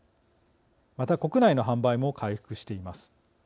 また、国内の販売も回復しています。